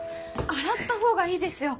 洗った方がいいですよ。